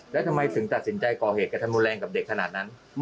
แล้วขอแนะนำตัวนี่คุณเคยทำร้ายร่างกายลูกไหม